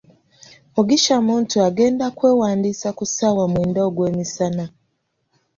Mugisha Muntu agenda kwewandiisa ku ssaawa mwenda ogwemisana.